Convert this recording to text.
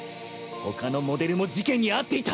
他のモデルも事件に遭っていた！